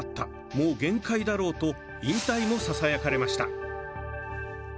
「もう限界だろう」と引退もささやかれました。